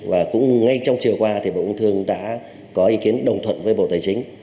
và cũng ngay trong chiều qua thì bộ công thương đã có ý kiến đồng thuận với bộ tài chính